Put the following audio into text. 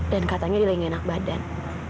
dan katanya dia lagi nggak enak badan